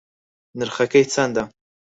نرخەکەی چەندە